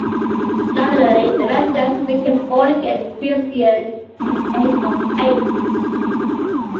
Nominally a Methodist, he became a born again Christian at the age of eight.